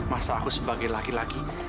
masa aku sebagai laki laki